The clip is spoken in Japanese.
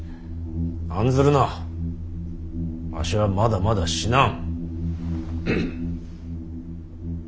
案ずるなわしはまだまだ死なん。